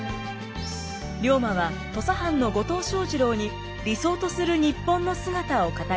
龍馬は土佐藩の後藤象二郎に理想とする日本の姿を語りました。